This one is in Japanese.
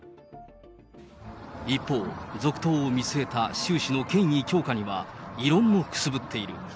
一方、続投を見据えた習氏の権威強化には、異論もくすぶっている。